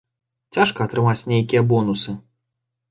Цяжка атрымаць нейкія бонусы.